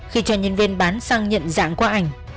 khi cho nhân viên bán xăng nhận dạng qua ảnh